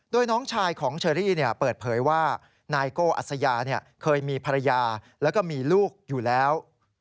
โดยน้องชายของเชอรี่เปิดเผยว่านายโก้อัสยาเคยมีภรรยาแล้วก็มีลูกอยู่แล้ว